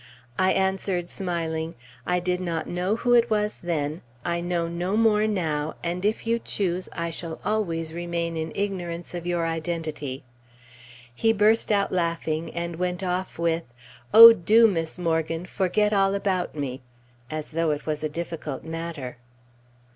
I answered, smiling, "I did not know who it was then, I know no more now, and if you choose, I shall always remain in ignorance of your identity." He burst out laughing, and went off with, "Oh, do, Miss Morgan, forget all about me!" as though it was a difficult matter!